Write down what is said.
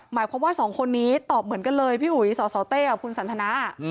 หมายความว่าสองคนนี้ตอบเหมือนกันเลยพี่อุ๋ยสสเต้กับคุณสันทนา